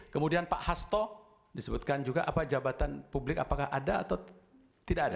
kemudian pak hasto disebutkan juga apa jabatan publik apakah ada atau tidak ada